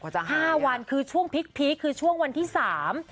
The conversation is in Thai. จะไปหายอะห้าวันคือช่วงพีชไปหลังก็พีช